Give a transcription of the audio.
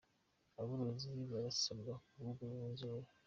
Aborozi barasabwa kuvugurura inzuri